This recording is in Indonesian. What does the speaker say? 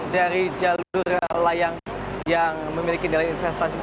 dari jalur layang yang memiliki nilai investasi